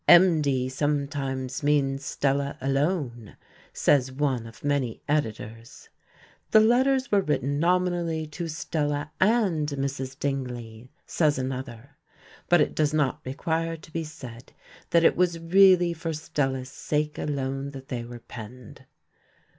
"MD sometimes means Stella alone," says one of many editors. "The letters were written nominally to Stella and Mrs. Dingley," says another, "but it does not require to be said that it was really for Stella's sake alone that they were penned."